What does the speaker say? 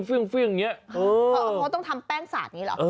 เพราะต้องทำแป้งสาดนี้หรอ